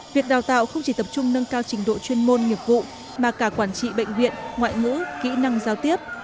việc đào tạo không chỉ tập trung nâng cao trình độ chuyên môn nghiệp vụ mà cả quản trị bệnh viện ngoại ngữ kỹ năng giao tiếp